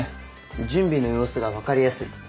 準備の様子が分かりやすい。